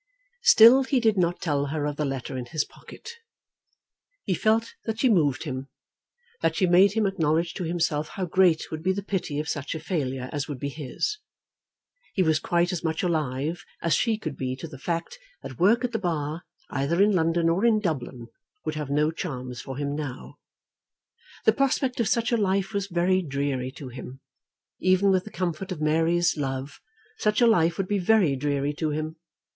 Still he did not tell her of the letter in his pocket. He felt that she moved him, that she made him acknowledge to himself how great would be the pity of such a failure as would be his. He was quite as much alive as she could be to the fact that work at the Bar, either in London or in Dublin, would have no charms for him now. The prospect of such a life was very dreary to him. Even with the comfort of Mary's love such a life would be very dreary to him.